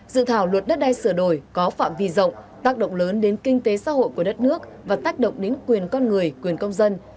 dự thảo luật đất đai sửa đổi có phạm vi rộng tác động lớn đến kinh tế xã hội của đất nước và tác động đến quyền con người quyền công dân